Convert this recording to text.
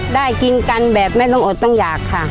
ได้กินกันแบบไม่ต้องอดต้องอยากค่ะ